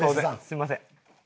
すみません！